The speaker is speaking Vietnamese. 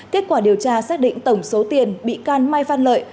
kết quả điều tra xác định tổng số tiền bị can mai văn lợi